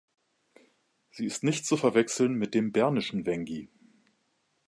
Sie ist nicht zu verwechseln mit dem bernischen Wengi.